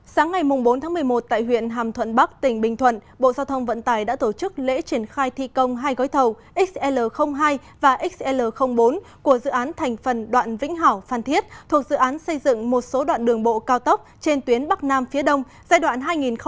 sáng ngày bốn tháng một mươi một tại huyện hàm thuận bắc tỉnh bình thuận bộ giao thông vận tải đã tổ chức lễ triển khai thi công hai gói thầu xl hai và xl bốn của dự án thành phần đoạn vĩnh hảo phan thiết thuộc dự án xây dựng một số đoạn đường bộ cao tốc trên tuyến bắc nam phía đông giai đoạn hai nghìn một mươi sáu hai nghìn hai mươi